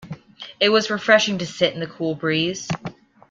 It was refreshing to sit in the cool breeze.